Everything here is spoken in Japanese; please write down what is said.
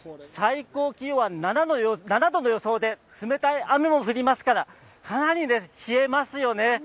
最高気温は７度の予想で冷たい雨も降りますからかなり冷えますよね。